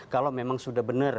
kalau memang sudah benar